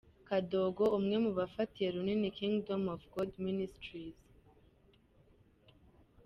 Kadogo umwe mu bafatiye runini Kingdom of God Ministries.